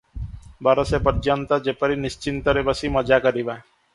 ବରଷେ ପର୍ଯ୍ୟନ୍ତ ଯେପରି ନିଶ୍ଚିନ୍ତରେ ବସି ମଜା କରିବା ।